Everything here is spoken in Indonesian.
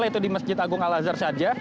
yaitu di masjid agung al azhar saja